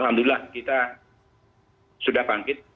alhamdulillah kita sudah bangkit